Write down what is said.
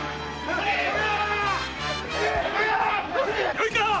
よいか！